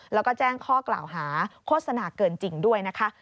แล้วก็แจ้งข้อกล่าวหาโฆษณาเกินจริงด้วยนะคะ